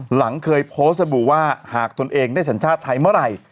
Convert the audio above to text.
หลังเคยโพสต์บู่ว่าหากตนเองได้สัญชาติไทยเมื่อ๙๔อาทิตย์